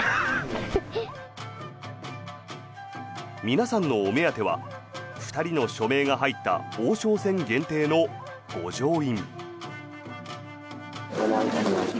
皆さんのお目当ては２人の署名が入った王将戦限定の御城印。